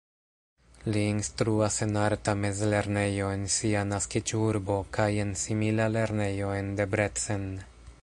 Li instruas en arta mezlernejo en sia naskiĝurbo kaj en simila lernejo en Debrecen.